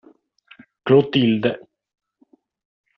Clotilde.